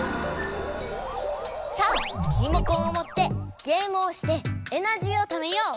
さあリモコンをもってゲームをしてエナジーをためよう！